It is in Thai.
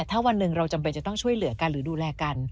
ถ้าวันหนึ่งเราจำเป็นจะต้องช่วยเหลือกันหรือดูแลกัน